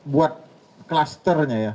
buat klasternya ya